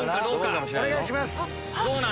お願いします！